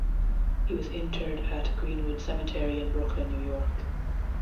He was interred at Green-Wood Cemetery in Brooklyn, New York.